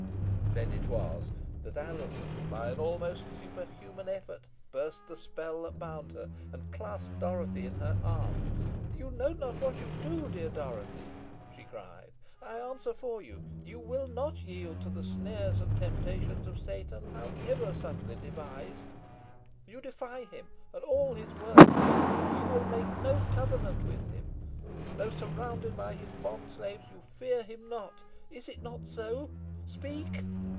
Then it was that Alizon, by an almost superhuman effort, burst the spell that bound her, and clasped Dorothy in her arms. "You know not what you do, dear Dorothy," she cried. "I answer for you. You will not yield to the snares and temptations of Satan, however subtly devised. You defy him and all his works. You will make no covenant with him. Though surrounded by his bond slaves, you fear him not. Is it not so? Speak!"